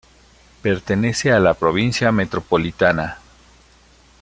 Pertenece a la provincia Metropolitana.